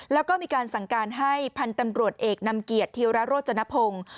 แล้วก็มีการสั่งการให้พันธุ์ตำรวจเอกนำเกียรติธีรโรจนพงศ์